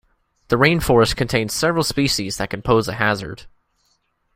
The rainforest contains several species that can pose a hazard.